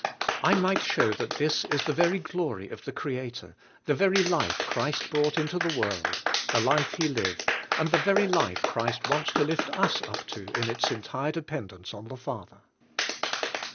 I might shov^^ that this is the very glory of the Creator, the very life Christ brought into the world, the life He lived, and the very life Christ wants to lift us up to in its entire dependence en the Father.